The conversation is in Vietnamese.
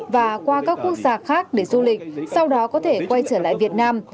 và qua các quốc gia khác để du lịch sau đó có thể quay trở lại việt nam